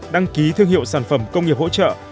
đăng ký thương hiệu sản phẩm công nghiệp hỗ trợ